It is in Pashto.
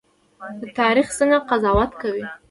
تاریخ څنګه قضاوت کوي؟